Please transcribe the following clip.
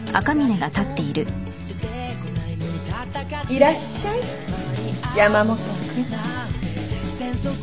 いらっしゃい山本君。